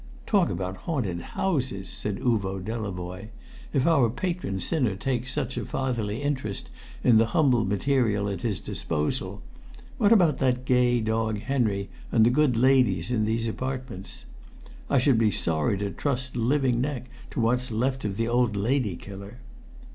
"Talk about haunted houses!" said Uvo Delavoye. "If our patron sinner takes such a fatherly interest in the humble material at his disposal, what about that gay dog Henry and the good ladies in these apartments? I should be sorry to trust living neck to what's left of the old lady killer."